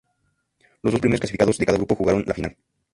Los dos primeros clasificados de cada grupo jugaron la Final.